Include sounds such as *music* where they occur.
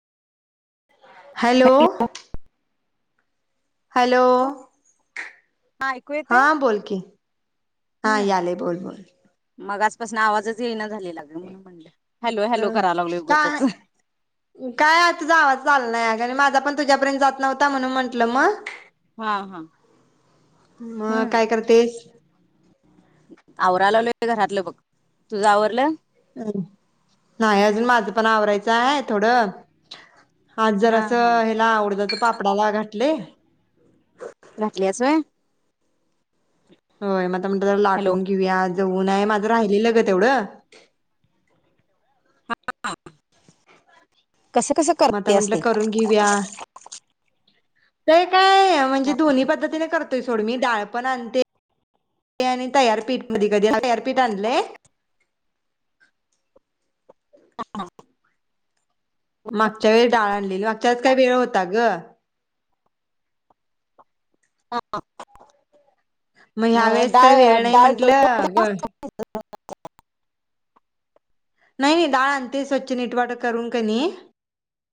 Hello hello. हा ऐकू येतय हा बोल की हा यालय बोल बोल मगाचपासनं आवाज येईना. झालेला ग म्हणून म्हणलं. हॅलो हॅलो हं कराय लागलोय काय, उगचच काय तुझा आवाज आला नाही ग आणि माझ तुझ्यापर्यंत जात नव्हता म्हणून म्हटलं मग हा, हा हा मग काय करतेस? आवरा लायलोय घरातलं बघ तुझा आवरलं नाही अजून माझं पण आवरायचं हाय थोडं आज हा जरास हा हेला उडदाच्या पापडाला घत लई हाय. घातल्यास होय? होय म म्हटले जरा हॅलो लाटून घेऊया आज ऊन हाय मा राहिलेले ग तेवढं कसं कसं मग आता करत्यास म्हंटलं ते करून घेऊया *inaudible* काय य म्हणजे दोन्ही पद्धतीन पण करतोय सोड मी डाळ पण आणते तयार पीठ कधी कधी आणते तयार पीठ आणलय. मागच्या वेळी डाळ आणलेली, मागच्या वेळेस काय वेळ होता ग. *unintelligible* ह्या मग वेळेस काय डाळ वेळ नाही डाळ दळून म्हंटलं आणतेस ग का? *inaudible* नाही डाळ आण ते स्वच्छ नीट वाट करून कणी